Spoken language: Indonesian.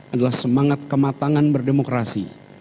adalah semangat kematangan berdemokrasi